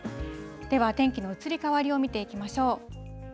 では天気の移り変わりを見ていきましょう。